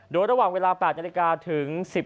โดยระหว่างเวลา๘นาฬิกาถึง๑๕